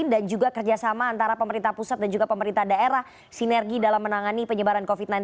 dan juga kerjasama antara pemerintah pusat dan juga pemerintah daerah sinergi dalam menangani penyebaran covid sembilan belas